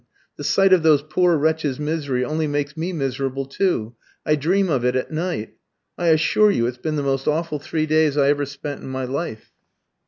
The sight of those poor wretches' misery only makes me miserable too. I dream of it at night. I assure you it's been the most awful three days I ever spent in my life."